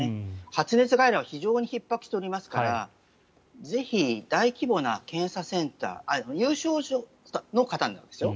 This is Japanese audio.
発熱外来は非常にひっ迫しておりますからぜひ、大規模な検査センター有症状の方のですよ。